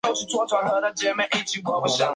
未出数字版。